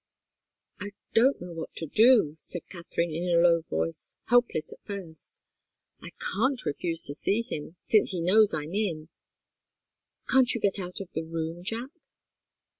"I don't know what to do," said Katharine, in a low voice, helpless, at first. "I can't refuse to see him, since he knows I'm in. Can't you get out of the room, Jack?"